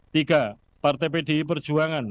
tiga partai pdi perjuangan